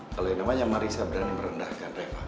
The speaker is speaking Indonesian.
kalo yang namanya marissa berani merendahkan reva